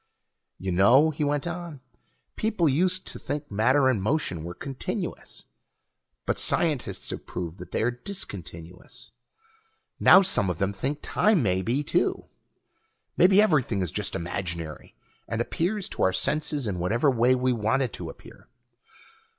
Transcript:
"You know," he went on, "people used to think matter and motion were continuous, but scientists have proved that they are discontinuous. Now some of them think time may be, too. Maybe everything is just imaginary, and appears to our senses in whatever way we want it to appear.